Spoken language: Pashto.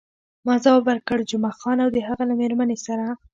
ما ځواب ورکړ، جمعه خان او د هغه له میرمنې سره.